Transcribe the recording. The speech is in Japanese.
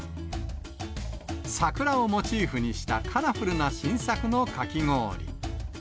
桜をモチーフにしたカラフルな新作のかき氷。